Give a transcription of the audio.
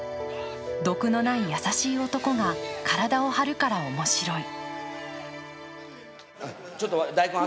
毒のない優しい男が体を張るから面白い。